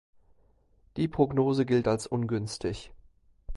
Die Prognose gilt als ungünstig.